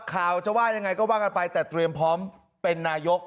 ข่าวจะว่ายังไงก็ว่ากันไปแต่เตรียมพร้อมเป็นนายก